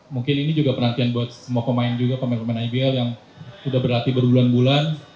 mungkin ini juga penantian buat semua pemain juga pemain pemain ibl yang sudah berlatih berbulan bulan